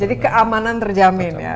jadi keamanan terjamin ya